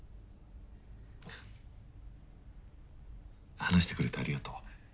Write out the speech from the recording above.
話してくれてありがとう。